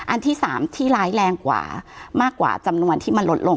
อันที่๓ที่ร้ายแรงกว่ามากกว่าจำนวนที่มันลดลง